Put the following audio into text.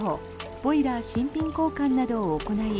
ボイラー新品交換などを行い